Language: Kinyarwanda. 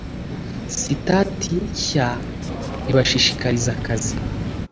sitati nshya ibashishikariza akazi